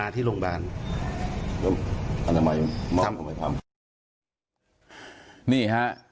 นี่ฮะเนี่ย